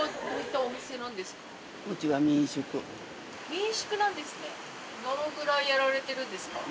民宿なんですね。